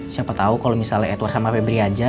siapa tau kalo misalnya edward sama febri aja